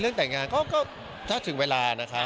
เรื่องแต่งงานก็ซัดถึงเวลานะคะ